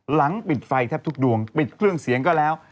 หลังปิดไฟแทบทุกดวงปิดเครื่องเสียงก็แล้ว